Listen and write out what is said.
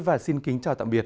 và xin kính chào tạm biệt